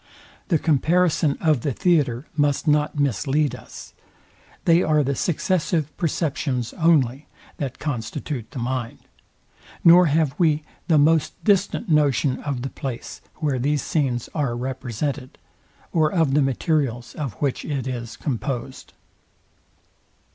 The comparison of the theatre must not mislead us. They are the successive perceptions only, that constitute the mind; nor have we the most distant notion of the place, where these scenes are represented, or of the materials, of which it is composed.